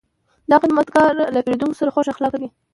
دا خدمتګر له پیرودونکو سره خوش اخلاقه دی.